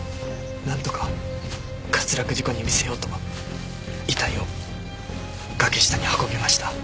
なんとか滑落事故に見せようと遺体を崖下に運びました。